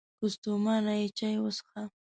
که ستومانه یې، چای وڅښه!